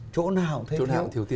chỗ nào thì thiếu